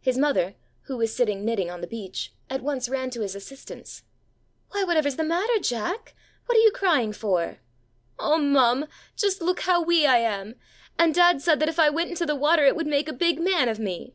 His mother, who was sitting knitting on the beach, at once ran to his assistance. 'Why, whatever's the matter, Jack? What are you crying for?' 'Oh, mum, just look how wee I am! And dad said that if I went into the water it would make a big man of me!'